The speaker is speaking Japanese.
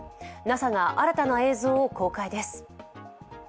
ＮＡＳＡが新たな映像を公開です。